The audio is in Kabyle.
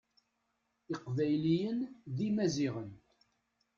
Iqbayliyen d imaziɣen.